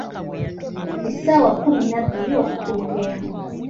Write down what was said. Essaawa kkumi na bbiri okutuuka emu.